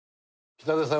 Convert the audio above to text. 北出さん